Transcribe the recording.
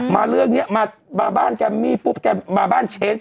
มาเรื่องนี้มาบ้านแกมมี่ปุ๊บแกมาบ้านเชนส